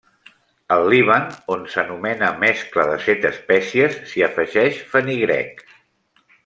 Al Líban, on s'anomena mescla de set espècies, s'hi afegeix fenigrec.